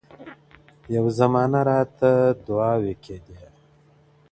يو زمــانــه راتــه دعــــاوي كـــېـــــــــدې,